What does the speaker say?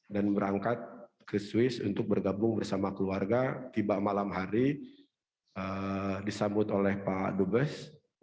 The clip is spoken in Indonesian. dan berangkat ke swiss untuk bergabung bersama keluarga tiba malam hari disambut oleh pak dubes